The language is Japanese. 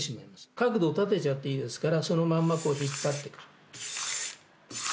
角度を立てちゃっていいですからそのまんまこう引っ張ってくる。